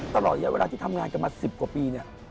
ตลอดเยอะเวลาที่ทำงานกันมา๑๐กว่าปี